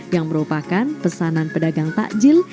yang merupakan pesanan pedagang takjil